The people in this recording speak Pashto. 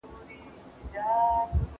خلګ په خوښۍ او غم کي شراب څښي.